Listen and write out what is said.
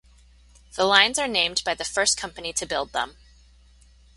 The lines are named by the first company to build them.